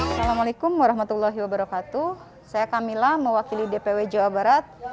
assalamualaikum wr wb saya kamila mewakili dpw jawa barat